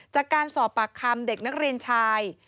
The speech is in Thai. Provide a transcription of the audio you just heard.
จากการสอบปากคำเด็กนักเรียนชาย